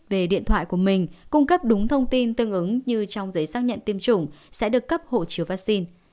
về điện thoại của mình cung cấp đúng thông tin tương ứng như trong giấy xác nhận tiêm chủng sẽ được cấp hộ chiếu vaccine